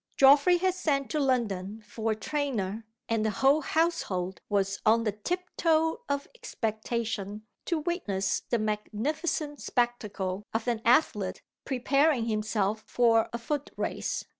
Geoffrey had sent to London for a trainer; and the whole household was on the tip toe of expectation to witness the magnificent spectacle of an athlete preparing himself for a foot race.